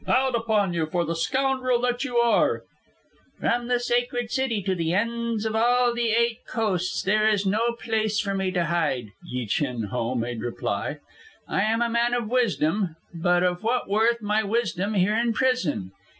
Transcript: Out upon you for the scoundrel that you are!" "From the Sacred City to the ends of all the Eight Coasts there is no place for me to hide," Yi Chin Ho made reply. "I am a man of wisdom, but of what worth my wisdom here in prison?